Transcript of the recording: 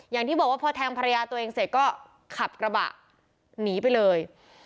อย่างที่บอกว่าพอแทงภรรยาตัวเองเสร็จก็ขับกระบะหนีไปเลย